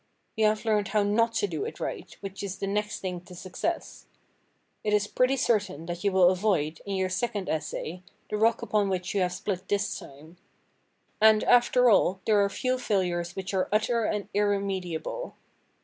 You have learned how not to do it right, which is the next thing to success. It is pretty certain that you will avoid, in your second essay, the rock upon which you have split this time. And, after all, there are few failures which are utter and irremediable.